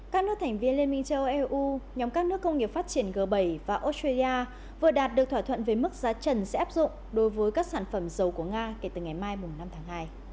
các nước thành viên liên minh châu âu eu nhóm các nước công nghiệp phát triển g bảy và australia vừa đạt được thỏa thuận về mức giá trần sẽ áp dụng đối với các sản phẩm dầu của nga kể từ ngày mai năm tháng hai